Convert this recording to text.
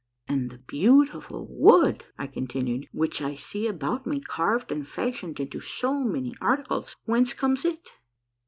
" And the beautiful Avood," I continued, " which I see about me carved and fashioned into so many articles, whence comes it?"